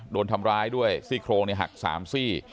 โดนทำร้ายด้วยซี่โครงหัก๓ซี่